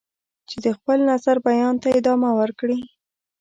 چې د خپل نظر بیان ته ادامه ورکړي.